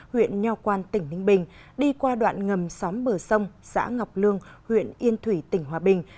huyện nho quan tỉnh ninh bình đi qua đoạn ngầm xóm bờ sông xã ngọc lương huyện yên thủy tỉnh hòa bình